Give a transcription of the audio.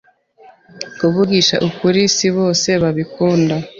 Kuvugisha ukuri, si bose babikunda.